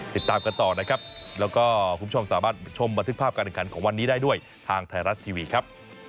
ติดตามกันต่อนะครับแล้วก็คุณผู้ชมสามารถชมบันทึกภาพการแข่งขันของวันนี้ได้ด้วยทางไทยรัฐทีวีครับ